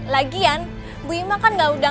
lagian bu ima kan nggak udah